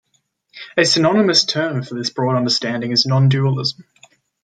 A synonymous term for this broad understanding is nondualism.